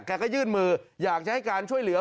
ก็ยื่นมืออยากจะให้การช่วยเหลือ